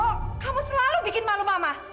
oh kamu selalu bikin malu mama